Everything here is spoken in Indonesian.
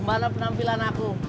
gimana penampilan aku